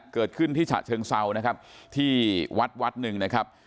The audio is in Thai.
เกิดขึ้นที่ฉะเชิงเซานะครับที่วัด๑นะครับ